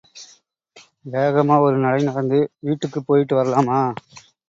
வேகமா ஒரு நடை நடந்து, வீட்டுக்கு போயிட்டு வரலாமா.